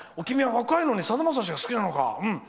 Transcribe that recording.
君は若いのにさだまさしが好きなのか！